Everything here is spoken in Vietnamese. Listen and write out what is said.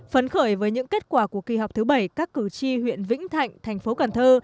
phấn khởi với những kết quả của kỳ họp thứ bảy các cử tri huyện vĩnh thạnh thành phố cần thơ